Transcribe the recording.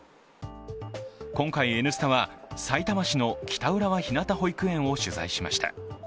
今回、「Ｎスタ」はさいたま市の北浦和ひなた保育園を取材しました。